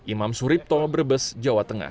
imam suripto brebes jawa tengah